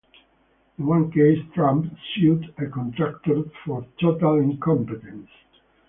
In one case, Trump sued a contractor for "total incompetence".